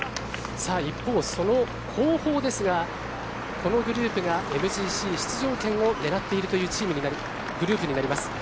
一方、その後方ですがこのグループがＭＧＣ出場権を狙っているというグループになります。